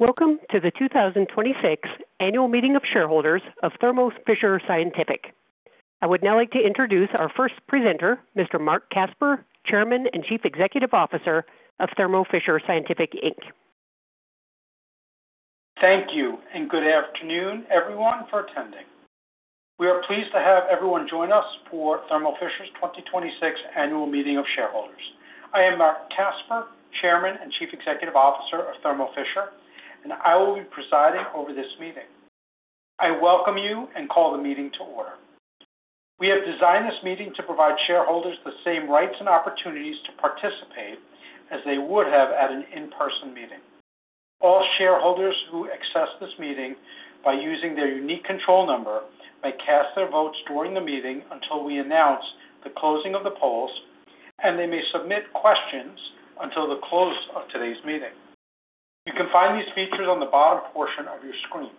Welcome to the 2026 Annual Meeting of Shareholders of Thermo Fisher Scientific. I would now like to introduce our first presenter, Mr. Marc Casper, Chairman and Chief Executive Officer of Thermo Fisher Scientific Inc. Thank you, and good afternoon, everyone, for attending. We are pleased to have everyone join us for Thermo Fisher's 2026 Annual Meeting of Shareholders. I am Marc Casper, Chairman and Chief Executive Officer of Thermo Fisher, and I will be presiding over this meeting. I welcome you and call the meeting to order. We have designed this meeting to provide shareholders the same rights and opportunities to participate as they would have at an in-person meeting. All shareholders who access this meeting by using their unique control number may cast their votes during the meeting until we announce the closing of the polls, and they may submit questions until the close of today's meeting. You can find these features on the bottom portion of your screen.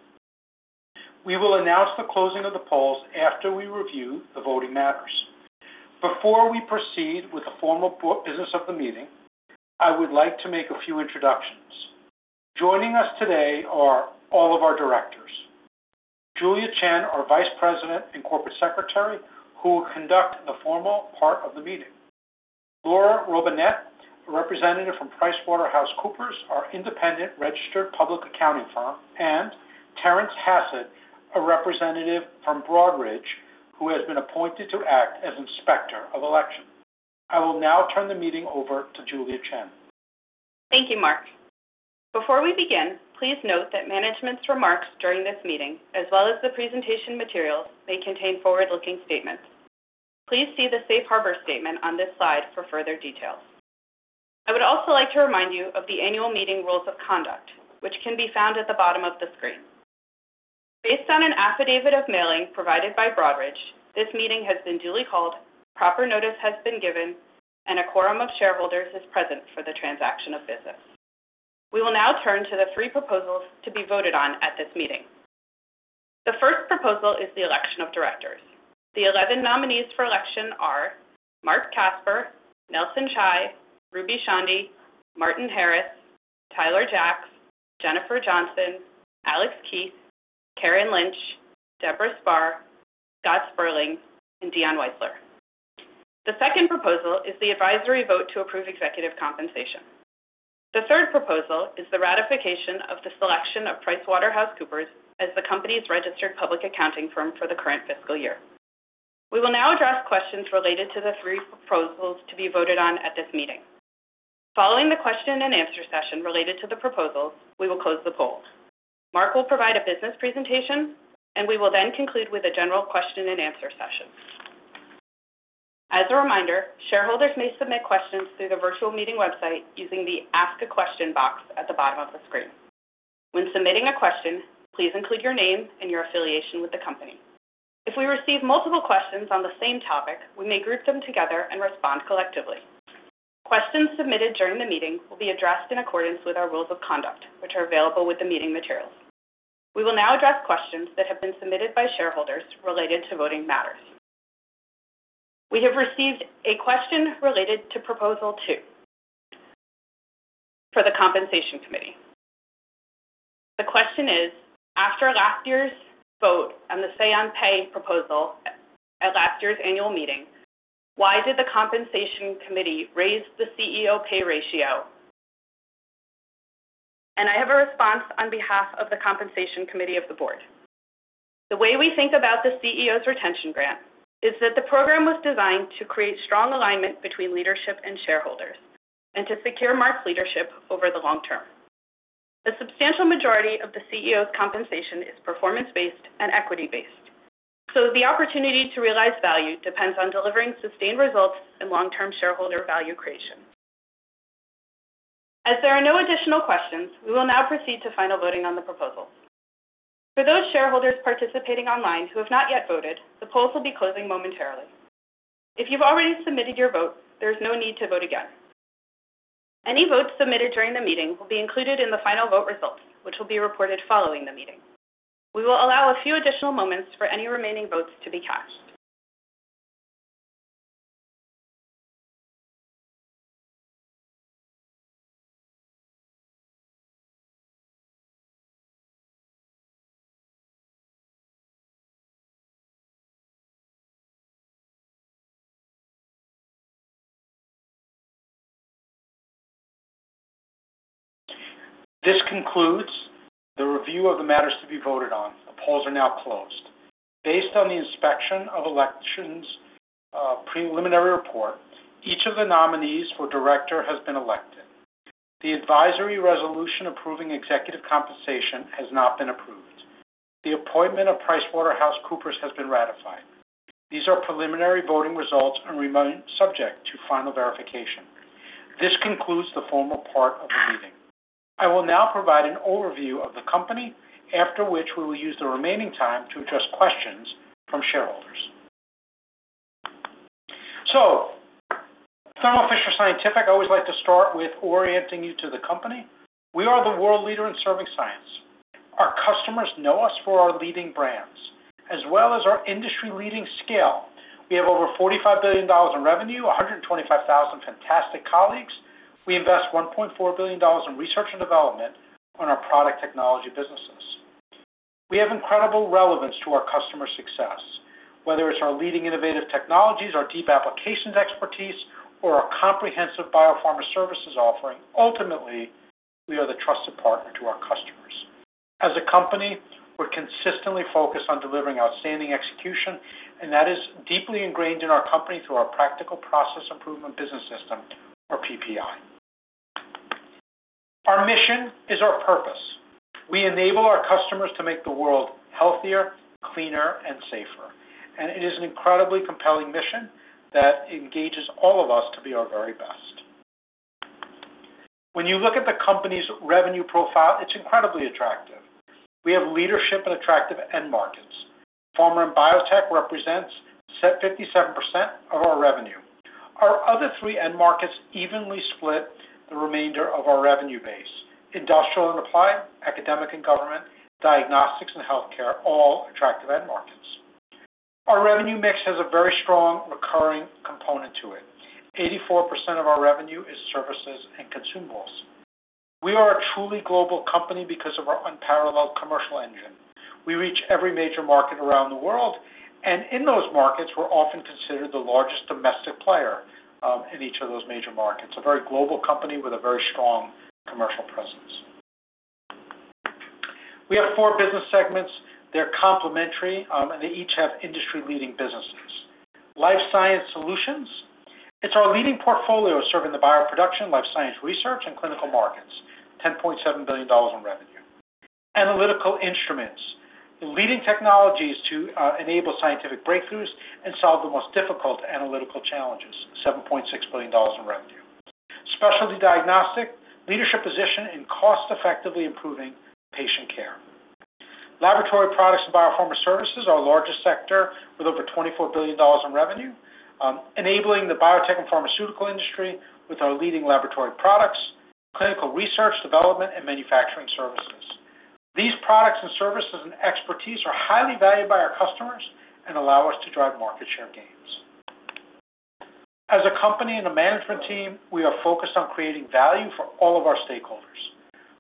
We will announce the closing of the polls after we review the voting matters. Before we proceed with the formal business of the meeting, I would like to make a few introductions. Joining us today are all of our directors. Julia Chen, our Vice President and Corporate Secretary, who will conduct the formal part of the meeting. Laura Robinette, a representative from PricewaterhouseCoopers, our independent registered public accounting firm, and Terence Hassett, a representative from Broadridge, who has been appointed to act as Inspector of Election. I will now turn the meeting over to Julia Chen. Thank you, Marc. Before we begin, please note that management's remarks during this meeting, as well as the presentation materials, may contain forward-looking statements. Please see the safe harbor statement on this slide for further details. I would also like to remind you of the annual meeting rules of conduct, which can be found at the bottom of the screen. Based on an affidavit of mailing provided by Broadridge, this meeting has been duly called, proper notice has been given, and a quorum of shareholders is present for the transaction of business. We will now turn to the three proposals to be voted on at this meeting. The first proposal is the election of directors. The 11 nominees for election are Marc Casper, Nelson Chai, Ruby Chandy, Martin Harris, Tyler Jacks, Jennifer Johnson, R. Alex Keith, Karen Lynch, Debora Spar, Scott Sperling, and Dion Weisler. The second proposal is the advisory vote to approve executive compensation. The third proposal is the ratification of the selection of PricewaterhouseCoopers as the company's registered public accounting firm for the current fiscal year. We will now address questions related to the three proposals to be voted on at this meeting. Following the question and answer session related to the proposals, we will close the poll. Marc will provide a business presentation, and we will then conclude with a general question and answer session. As a reminder, shareholders may submit questions through the virtual meeting website using the Ask A Question box at the bottom of the screen. When submitting a question, please include your name and your affiliation with the company. If we receive multiple questions on the same topic, we may group them together and respond collectively. Questions submitted during the meeting will be addressed in accordance with our rules of conduct, which are available with the meeting materials. We will now address questions that have been submitted by shareholders related to voting matters. We have received a question related to Proposal 2 for the Compensation Committee. The question is, "After last year's vote on the say-on-pay proposal at last year's annual meeting, why did the Compensation Committee raise the CEO pay ratio?" I have a response on behalf of the Compensation Committee of the Board. The way we think about the CEO's retention grant is that the program was designed to create strong alignment between leadership and shareholders and to secure Marc's leadership over the long-term. The substantial majority of the CEO's compensation is performance-based and equity-based. The opportunity to realize value depends on delivering sustained results and long-term shareholder value creation. As there are no additional questions, we will now proceed to final voting on the proposal. For those shareholders participating online who have not yet voted, the polls will be closing momentarily. If you've already submitted your vote, there's no need to vote again. Any votes submitted during the meeting will be included in the final vote results, which will be reported following the meeting. We will allow a few additional moments for any remaining votes to be cast. This concludes the review of the matters to be voted on. The polls are now closed. Based on the Inspection of Election's preliminary report, each of the nominees for director has been elected. The advisory resolution approving executive compensation has not been approved. The appointment of PricewaterhouseCoopers has been ratified. These are preliminary voting results and remain subject to final verification. This concludes the formal part of the meeting. I will now provide an overview of the company, after which we will use the remaining time to address questions from shareholders. Thermo Fisher Scientific, I always like to start with orienting you to the company. We are the world leader in serving science. Our customers know us for our leading brands as well as our industry-leading scale. We have over $45 billion in revenue, 125,000 fantastic colleagues. We invest $1.4 billion in research and development on our product technology businesses. We have incredible relevance to our customer success, whether it's our leading innovative technologies, our deep applications expertise, or our comprehensive Biopharma Services offering. Ultimately, we are the trusted partner to our customers. As a company, we're consistently focused on delivering outstanding execution, and that is deeply ingrained in our company through our Practical Process Improvement business system, or PPI. Our mission is our purpose. We enable our customers to make the world healthier, cleaner, and safer. It is an incredibly compelling mission that engages all of us to be our very best. When you look at the company's revenue profile, it's incredibly attractive. We have leadership in attractive end markets. Pharma and biotech represents 57% of our revenue. Our other three end markets evenly split the remainder of our revenue base. Industrial and applied, academic and government, diagnostics and healthcare, all attractive end markets. Our revenue mix has a very strong recurring component to it. 84% of our revenue is services and consumables. We are a truly global company because of our unparalleled commercial engine. We reach every major market around the world, and in those markets, we're often considered the largest domestic player in each of those major markets. A very global company with a very strong commercial presence. We have four business segments. They're complementary, and they each have industry-leading businesses. Life Sciences Solutions. It's our leading portfolio serving the bioproduction, life science research, and clinical markets. $10.7 billion in revenue. Analytical Instruments. Leading technologies to enable scientific breakthroughs and solve the most difficult analytical challenges. $7.6 billion in revenue. Specialty Diagnostics. Leadership position in cost-effectively improving patient care. Laboratory Products and Biopharma Services, our largest sector with over $24 billion in revenue, enabling the biotech and pharmaceutical industry with our leading laboratory products, clinical research, development, and manufacturing services. These products and services and expertise are highly valued by our customers and allow us to drive market share gains. As a company and a management team, we are focused on creating value for all of our stakeholders.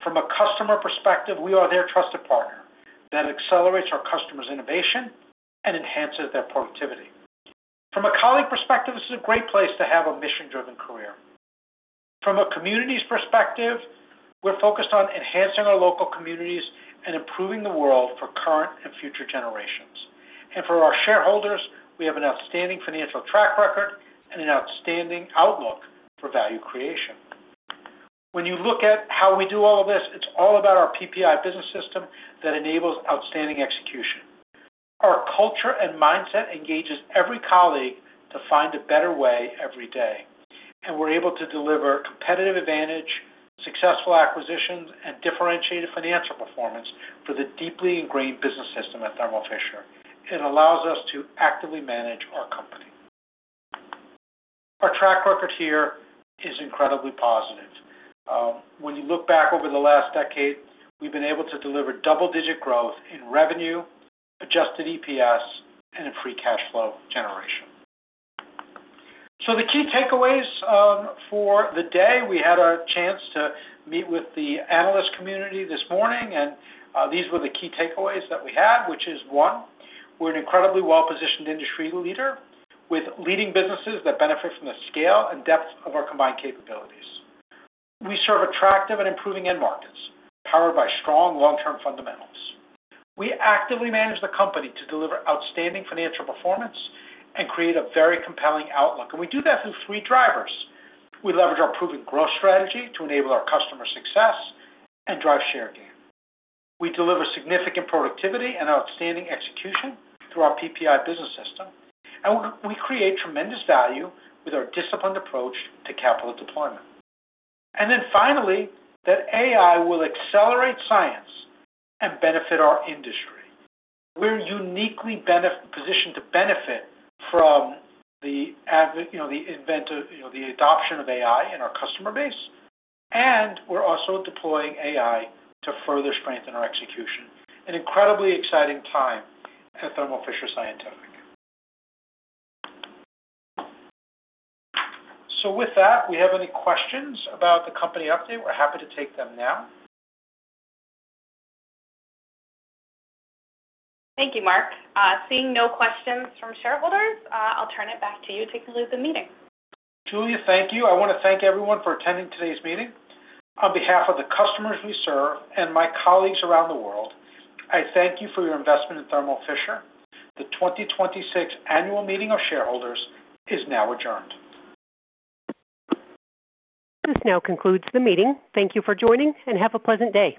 From a customer perspective, we are their trusted partner that accelerates our customers' innovation and enhances their productivity. From a colleague perspective, this is a great place to have a mission-driven career. From a communities perspective, we're focused on enhancing our local communities and improving the world for current and future generations. For our shareholders, we have an outstanding financial track record and an outstanding outlook for value creation. When you look at how we do all of this, it's all about our PPI business system that enables outstanding execution. Our culture and mindset engages every colleague to find a better way every day, and we're able to deliver competitive advantage, successful acquisitions, and differentiated financial performance through the deeply ingrained business system at Thermo Fisher. It allows us to actively manage our company. Our track record here is incredibly positive. When you look back over the last decade, we've been able to deliver double-digit growth in revenue, Adjusted EPS, and in free cash flow generation. The key takeaways for the day, we had our chance to meet with the analyst community this morning, and these were the key takeaways that we had. Which is, one, we're an incredibly well-positioned industry leader with leading businesses that benefit from the scale and depth of our combined capabilities. We serve attractive and improving end markets, powered by strong long-term fundamentals. We actively manage the company to deliver outstanding financial performance and create a very compelling outlook. We do that through three drivers. We leverage our proven growth strategy to enable our customer success and drive share gain. We deliver significant productivity and outstanding execution through our PPI business system. We create tremendous value with our disciplined approach to capital deployment. Finally, that AI will accelerate science and benefit our industry. We're uniquely positioned to benefit from the adoption of AI in our customer base. We're also deploying AI to further strengthen our execution. An incredibly exciting time at Thermo Fisher Scientific. With that, we have any questions about the company update, we're happy to take them now. Thank you, Marc. Seeing no questions from shareholders, I'll turn it back to you to conclude the meeting. Julia, thank you. I want to thank everyone for attending today's meeting. On behalf of the customers we serve and my colleagues around the world, I thank you for your investment in Thermo Fisher. The 2026 annual meeting of shareholders is now adjourned. This now concludes the meeting. Thank you for joining, and have a pleasant day.